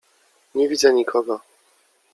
Nie widzę nikogo.